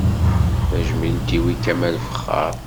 Tajmilt-iw i Kamal Fexxaṛ.